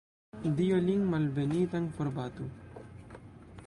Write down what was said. Dio lin malbenitan forbatu!